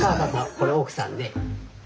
これ奥さんで。